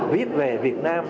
viết về việt nam